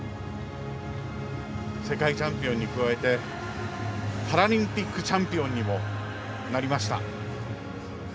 世界チャンピオンに加えてパラリンピックチャンピオンにもなりました。